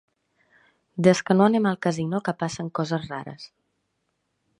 Des que no anem al casino que passen coses rares.